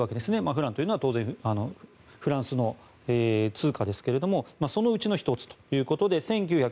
フランというのは当然フランスの通貨ですがそのうちの１つということで１９４５年